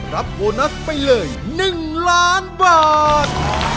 รับโบนัสไปเลย๑๐๐๐๐๐๐บาท